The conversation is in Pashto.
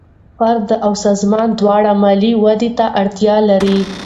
فرد او سازمان دواړه مالي ودې ته اړتیا لري.